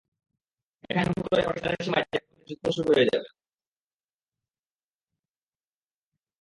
এখন হুট করে পাকিস্তানের সীমায় জেট পাঠালে যু্দ্ধ শুরু হয়ে যাবে।